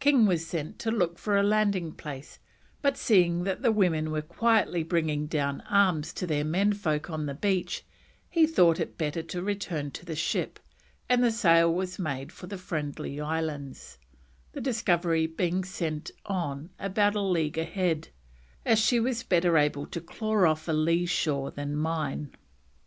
King was sent to look for a landing place, but, seeing that the women were quietly bringing down arms to their menfolk on the beach, he thought it better to return to the ship, and sail was made for the Friendly Islands, the Discovery being sent on about a league ahead, as she was better able "to claw off a lee shore than mine."